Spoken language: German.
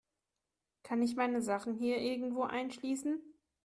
Kann ich meine Sachen hier irgendwo einschließen?